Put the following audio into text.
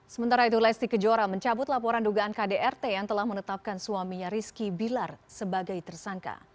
sementara itu lesti kejora mencabut laporan dugaan kdrt yang telah menetapkan suaminya rizky bilar sebagai tersangka